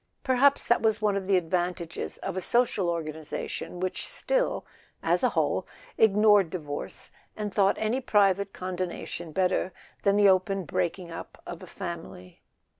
Perhaps that was one of the advantages of a social organization which still, as a whole, ignored divorce, and thought any private condonation better than the open breaking up of the family.